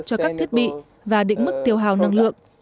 cho các thiết bị và định mức tiêu hào năng lượng